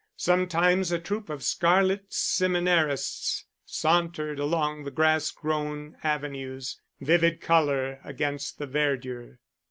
Sometimes a troop of scarlet seminarists sauntered along the grass grown avenues, vivid colour against the verdure.